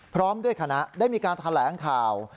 พร้อมด้วยคณะได้มีการแถลงข่าว